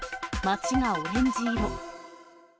街がオレンジ色。